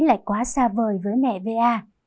lại quá xa vời với mẹ va